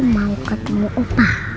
mau ketemu opa